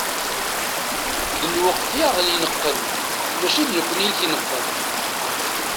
D lweqt i aɣ-ineqqen, mačči d nekkni i t-ineqqen.